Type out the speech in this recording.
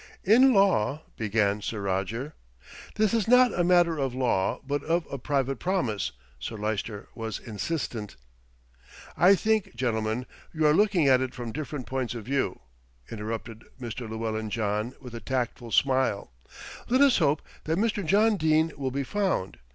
"In law " began Sir Roger. "This is not a matter of law, but of a private promise." Sir Lyster was insistent. "I think, gentlemen, you are looking at it from different points of view," interrupted Mr. Llewellyn John with a tactful smile. "Let us hope that Mr. John Dene will be found.